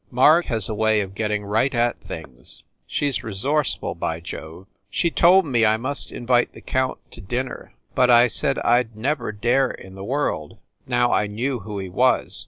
Marg has a way of get ting right at things. She s resourceful, by Jove ! She told me I must invite the count to dinner, but I said I d never dare in the world, now I knew who he was.